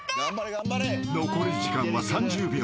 ［残り時間は３０秒］